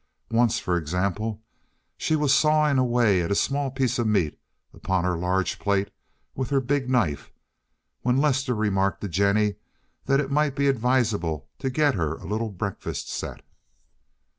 Once, for example, she was sawing away at a small piece of meat upon her large plate with her big knife, when Lester remarked to Jennie that it might be advisable to get her a little breakfast set.